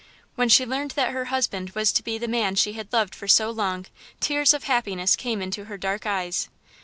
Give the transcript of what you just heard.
When she learned that her husband was to be the man she had loved for so long, tears of happiness came into her dark eyes.